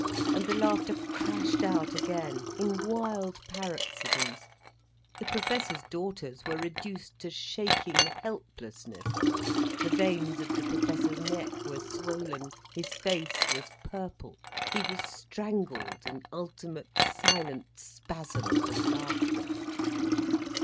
And the laughter crashed out again, in wild paroxysms, the Professor's daughters were reduced to shaking helplessness, the veins of the Professor's neck were swollen, his face was purple, he was strangled in ultimate, silent spasms of laughter.